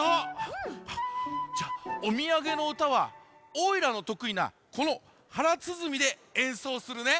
じゃあおみやげのうたはおいらのとくいなこのはらつづみでえんそうするね。